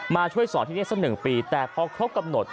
มาช่วยสอนที่นี่สัก๑ปีแต่พอครบกำหนด